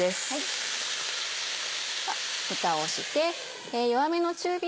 ふたをして。